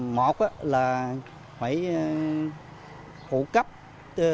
một là phải